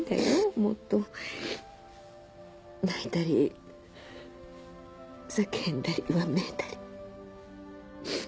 もっと泣いたり叫んだりわめいたり。